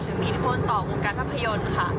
มีอิทธิพลต่อวงการภาพยนตร์ค่ะ